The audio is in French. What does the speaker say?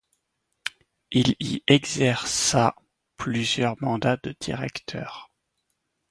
Il y exercera plusieurs mandats de directeur.